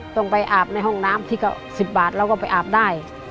ต้องไปอาบในห้องน้ำที่ก็๑๐บาทเราก็ไปอาบได้